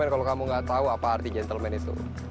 kalau kamu gak tahu apa arti gentleman itu